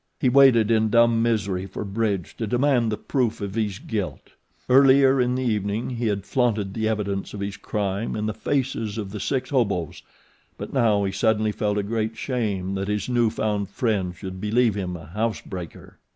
He waited in dumb misery for Bridge to demand the proof of his guilt. Earlier in the evening he had flaunted the evidence of his crime in the faces of the six hobos; but now he suddenly felt a great shame that his new found friend should believe him a house breaker.